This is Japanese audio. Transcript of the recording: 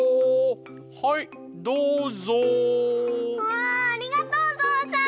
うわありがとうぞうさん。